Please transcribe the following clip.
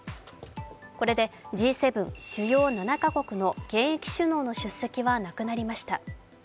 これでＧ７＝主要７か国の現役首脳の出席はなくなりました。